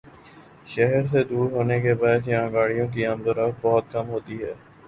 شہر سے دور ہونے کے باعث یہاں گاڑیوں کی آمدورفت بہت کم ہوتی ہے ۔